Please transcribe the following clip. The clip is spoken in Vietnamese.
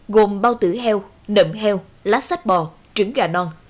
gồm bao tử heo nậm heo lá sách bò trứng gà non